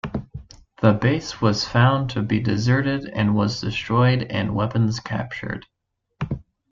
The base was found to be deserted and was destroyed and weapons captured.